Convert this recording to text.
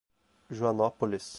Joanópolis